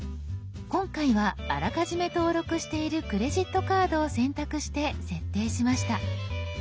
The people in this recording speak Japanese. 今回はあらかじめ登録しているクレジットカードを選択して設定しました。